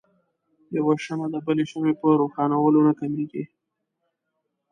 يوه شمعه د بلې شمعې په روښانؤلو نه کميږي.